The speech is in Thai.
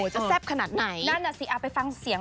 จะแซ่บขนาดไหน